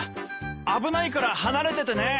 危ないから離れててね。